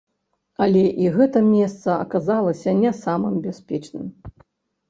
Але і гэта месца аказалася не самым бяспечным.